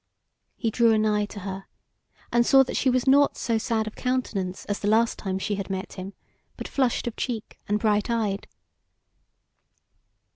He drew anigh to her, and saw that she was nought so sad of countenance as the last time she had met him, but flushed of cheek and bright eyed.